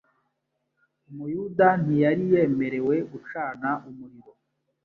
Umuyuda ntiyari yemerewe gucana umuriro,